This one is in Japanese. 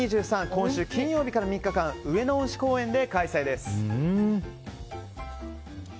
今週金曜日から３日間上野恩賜公園で開催です。